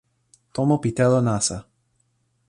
tomo pi telo nasa.